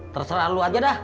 terserah lo aja dah